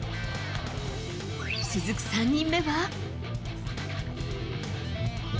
続く３人目は。